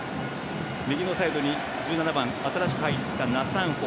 右のサイドに１７番新しく入ったナ・サンホ。